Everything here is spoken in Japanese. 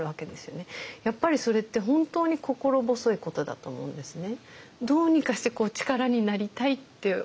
やっぱりそれって本当に心細いことだと思うんですね。